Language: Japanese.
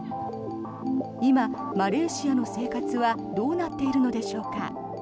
今、マレーシアの生活はどうなっているのでしょうか。